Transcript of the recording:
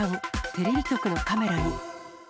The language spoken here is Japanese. テレビ局のカメラに。